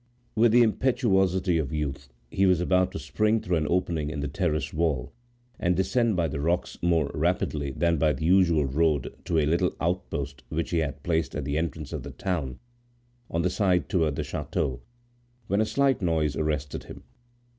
With the impetuosity of youth, he was about to spring through an opening in the terrace wall, and descend by the rocks more rapidly than by the usual road to a little outpost which he had placed at the entrance of the town, on the side toward the chateau, when a slight noise arrested him.